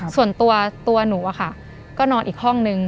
ส่วนตัวตัวหนูอะค่ะก็นอนอีกห้องนึง